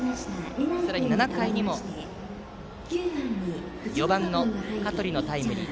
さらに７回にも４番の香取のタイムリー。